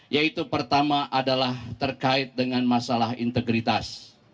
yaitu pertama adalah terkait dengan masalah integritas